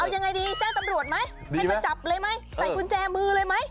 เอายังไงดีแจ้งตำรวจไหมให้มาจับเลยไหมใส่กุญแจมือเลยไหม